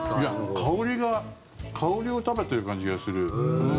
香りが香りを食べてる感じがする。